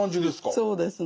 そうですね。